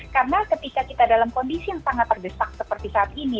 karena ketika kita dalam kondisi yang sangat terdesak seperti saat ini